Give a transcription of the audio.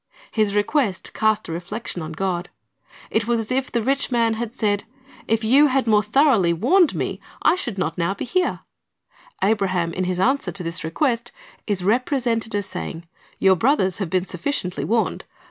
His request cast a reflection on God. It was as if the rich man had said, If you had more thoroughly warned me, I should not now be 1 Luke 23:42 2 Acts 5: 31 ; 4 : 12 "A Great Gu/f Fixed" 265 here. Abraham in his answer to this request is represented as saying, Your brothers have been sufficiently warned.